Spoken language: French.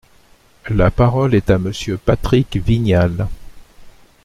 La parole est à Monsieur Patrick Vignal.